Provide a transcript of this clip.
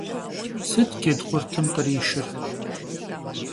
Sıt cedkhurtım khrişşır?